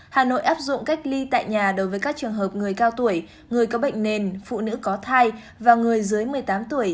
hà nội áp dụng cách ly tại nhà đối với các trường hợp người cao tuổi người có bệnh nền phụ nữ có thai và người dưới một mươi tám tuổi